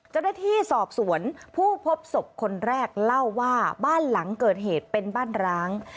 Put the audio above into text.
เจ้าหน้าที่สอบสวนผู้พบศพคนแรกเล่าว่าบ้านหลังเกิดเหตุเป็นบ้านร้าง